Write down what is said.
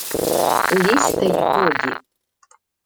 — Лізьте, й годі!